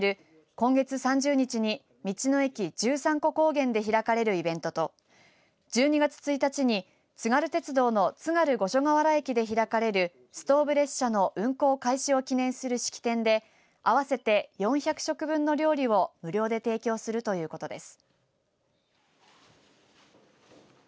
今月３０日に道の駅十三湖高原で開かれるイベントと１２月１日に津軽鉄道の津軽五所川原駅で開かれるストーブ列車の運行開始を記念する式典で合わせて４００食分の料理を無料で提供するということです。